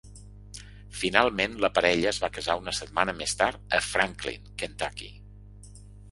Finalment la parella es va casar una setmana més tard a Franklin, Kentucky.